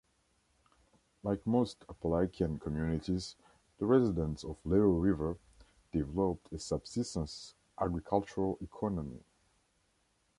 Like most Appalachian communities, the residents of Little River developed a subsistence agricultural economy.